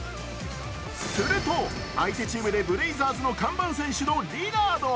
すると相手チームでブレイザーズの看板選手のリラード。